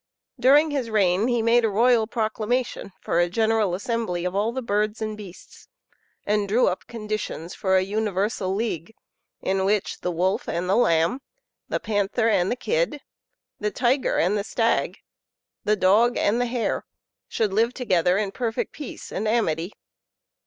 During his reign he made a royal proclamation for a general assembly of all the birds and beasts, and drew up conditions for a universal league, in which the Wolf and the Lamb, the Panther and the Kid, the Tiger and the Stag, the Dog and the Hare, should live together in perfect peace and amity.